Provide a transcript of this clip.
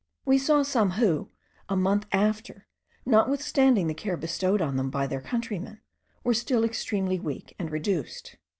We saw some who, a month after, notwithstanding the care bestowed on them by their countrymen, were still extremely weak and reduced.